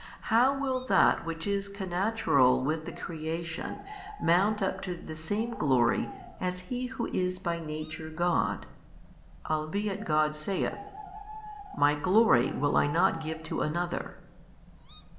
how will that which is connatural with the creation mount up to the same glory as He Who is by Nature God, albeit God saith, My Glory will I not give to another?